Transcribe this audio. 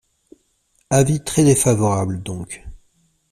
Avis très défavorable, donc.